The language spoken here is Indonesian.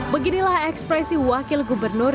beginilah ekspresi wakil gubernur